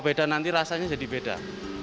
beda nanti rasanya jadi beda